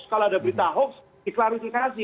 kalau ada berita hoax diklarifikasi